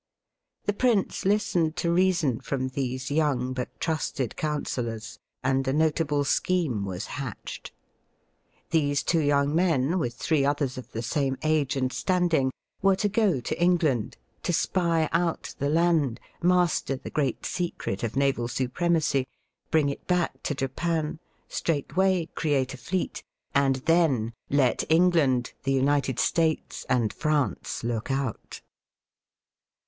The prince listened to reason from these young but trusted counsellors, and a notable scheme was hatched. These two men, with three others of the same age and standing, were to go to England, to spy out the land, master the great secret of naval supremacy, bring it back to Japan, straightway create a fleet, and then let England, the United States, and France look out.